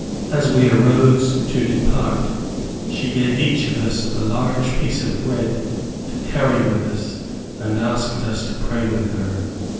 As we arose to depart, she gave each of us a large piece of bread to carry with us, and asked us to pray with her.